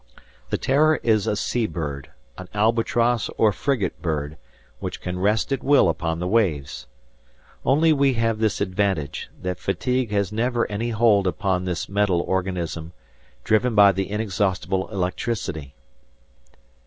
The "Terror" is a sea bird, an albatross or frigate bird, which can rest at will upon the waves! Only we have this advantage, that fatigue has never any hold upon this metal organism, driven by the inexhaustible electricity!